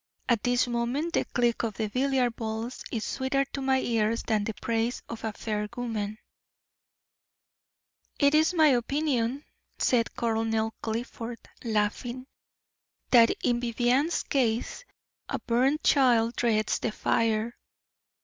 At this moment the click of the billiard balls is sweeter to my ears than the praise of fair woman." "It is my opinion," said Colonel Clifford, laughing, "that in Vivianne's case 'a burnt child dreads the fire.'